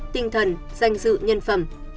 tinh thần danh dự nhân phẩm